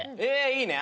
いいね。